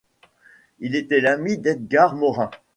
Il est l'ami d'Edgar Morin.